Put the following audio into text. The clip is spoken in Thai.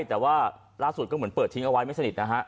แต่ว่าล่าสุดก็เหมือนเปิดทิ้งเอาไว้ไม่สนิทนะฮะ